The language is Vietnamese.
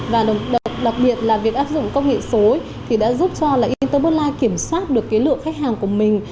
và đặc biệt là việc áp dụng công nghệ số thì đã giúp cho ít tố bất mai kiểm soát được lượng khách hàng của mình